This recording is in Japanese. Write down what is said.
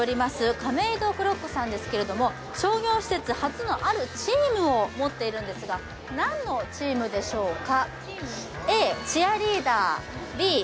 カメイドクロックさんですけれども商業施設初のあるチームを持っているんですが何のチームでしょうか？